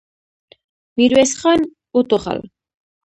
ميرويس خان وټوخل.